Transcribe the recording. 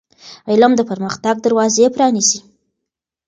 علم د پرمختګ دروازې پرانیزي.